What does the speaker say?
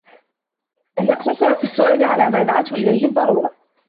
أَنْ يَقْتَصِرَ فِي السُّؤَالِ عَلَى مَا دَعَتْهُ إلَيْهِ الضَّرُورَةُ